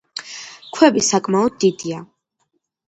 ქვები საკმაოდ დიდია.